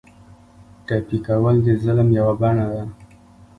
ټپي کول د ظلم یوه بڼه ده.